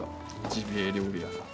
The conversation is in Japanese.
ジビエ料理屋さん。